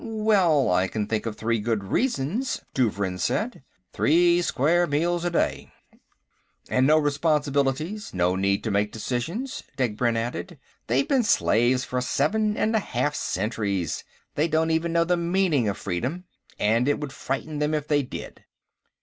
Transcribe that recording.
"Well, I can think of three good reasons," Douvrin said. "Three square meals a day." "And no responsibilities; no need to make decisions," Degbrend added. "They've been slaves for seven and a half centuries. They don't even know the meaning of freedom, and it would frighten them if they did."